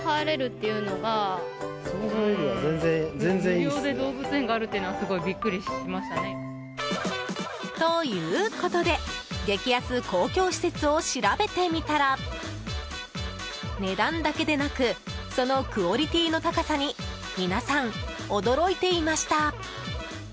リピーターだという家族は。ということで激安公共施設を調べてみたら値段だけでなくそのクオリティーの高さに皆さん、驚いていました。